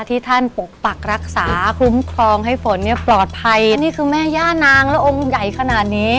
ที่ท่านปกปักรักษาคุ้มครองให้ฝนเนี่ยปลอดภัยนี่คือแม่ย่านางแล้วองค์ใหญ่ขนาดนี้